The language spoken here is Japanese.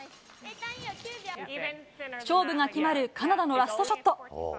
勝負が決まるカナダのラストショット。